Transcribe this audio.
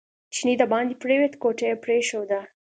چینی دباندې پرېوت کوټه یې پرېښوده.